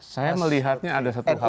saya melihatnya ada satu hal